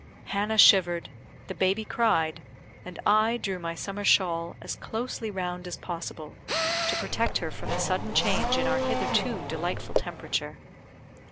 Hannah shivered; the baby cried, and I drew my summer shawl as closely round as possible, to protect her from the sudden change in our hitherto delightful temperature.